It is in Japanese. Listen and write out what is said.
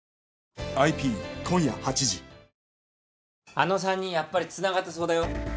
あの３人やっぱり繋がってそうだよ。